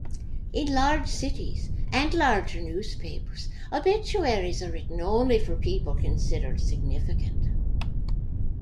In large cities and larger newspapers, obituaries are written only for people considered significant.